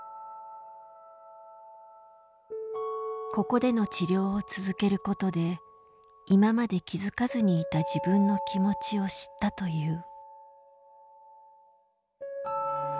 ここでの治療を続けることで今まで気付かずにいた自分の気持ちを知ったという。